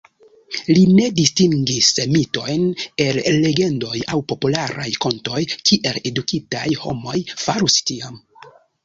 Li ne distingis mitojn el legendoj aŭ popularaj kontoj kiel edukitaj homoj farus tiam.